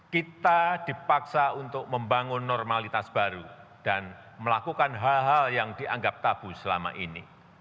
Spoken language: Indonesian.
kita dipaksa untuk membangun normalitas baru dan melakukan hal hal yang dianggap tabu selama ini